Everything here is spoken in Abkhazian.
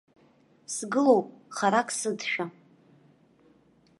Сгылоуп харак сыдшәа.